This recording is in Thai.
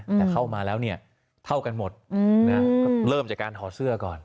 แต่เข้ามาแล้วเนี่ยเท่ากันหมดก็เริ่มจากการถอดเสื้อก่อน